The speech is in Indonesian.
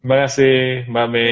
terima kasih mbak may